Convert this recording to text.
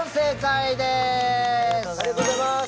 ありがとうございます！